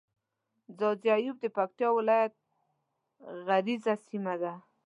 ځاځي اريوب د پکتيا ولايت غرييزه سيمه ده.